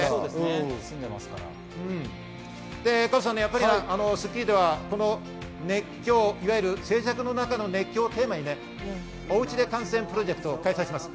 加藤さん、『スッキリ』では静寂の中の熱狂をテーマにおうちで観戦プロジェクトを開催します。